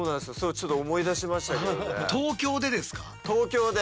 ちょっと思い出しましたけどね。